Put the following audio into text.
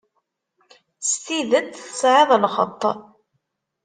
S tidet tesɛiḍ lxeṭṭ.